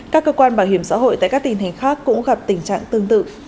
các cơ quan bảo hiểm xã hội tại các tình hình khác cũng gặp tình trạng tương tự